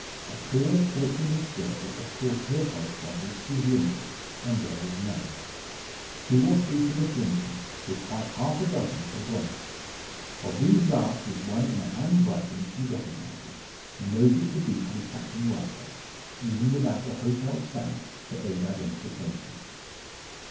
A poor, fortuneless girl, of course her correspondence is limited, and there is none. Two or three for Miss Linton, with quite half a dozen for Gwen. Of these last is one in a handwriting she recognises knows it to be from Captain Ryecroft, even without the hotel stamp to aid identification.